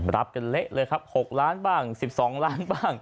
รับกันเละเลยครับ๖ล้านบ้าง๑๒ล้านบ้าง